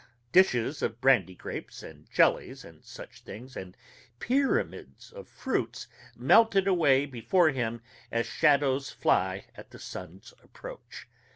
Dishes of brandy grapes, and jellies, and such things, and pyramids of fruits melted away before him as shadows fly at the sun's approach.